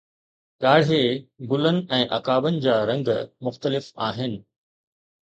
ڳاڙهي، گلن ۽ عقابن جا رنگ مختلف آهن